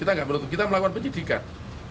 tidak tidak menutup kita melakukan penyidikan